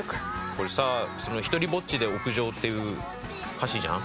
これさ「ひとりぼっちで屋上」っていう歌詞じゃん。